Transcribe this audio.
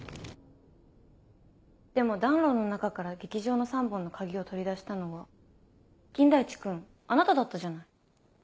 でも暖炉の中から劇場の３本の鍵を取り出したのは金田一君あなただったじゃない。